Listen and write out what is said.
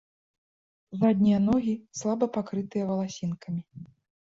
Заднія ногі слаба пакрытыя валасінкамі.